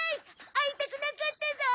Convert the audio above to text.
あいたくなかったぞ！